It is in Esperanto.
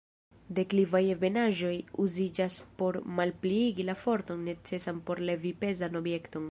Deklivaj ebenaĵoj uziĝas por malpliigi la forton necesan por levi pezan objekton.